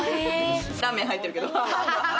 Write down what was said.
ラーメン入ってるけれども。